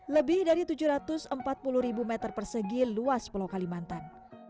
lebih dari tujuh ratus empat puluh ribu meter persegi luas pulau kalimantan